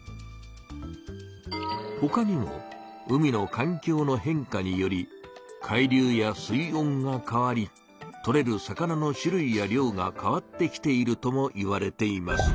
ほかにも「海の環境の変化」により海流や水温が変わりとれる魚の種類や量が変わってきているともいわれています。